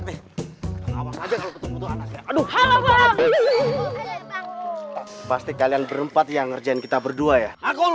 kalo kalian berempat yang ngerjain kita berdua ya